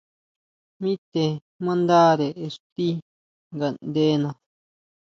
Mi te mandare ixti ngaʼndená.